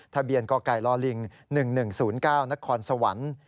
ทะเบียนกไก่ลิง๑๑๐๙นครสวรรค์